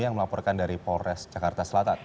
yang melaporkan dari polres jakarta selatan